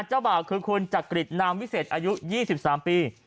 เจ้าบ่าวคือคุณจักริดนามวิเศษอายุยี่สิบสามปี